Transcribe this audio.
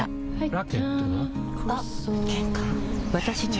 ラケットは？